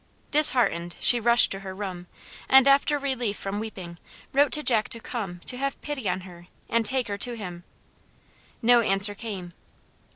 Disheartened, she rushed to her room, and, after relief from weeping, wrote to Jack to come; to have pity on her, and take her to him. No answer came.